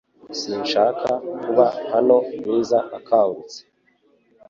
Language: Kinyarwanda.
Sinshaka kuba hano Bwiza akangutse .